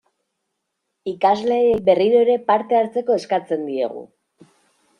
Ikasleei, berriro ere, parte hartzeko eskatzen diegu.